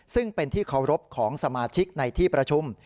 ซึ่งเป็นที่เคารพของสมาชิกในที่ประชุม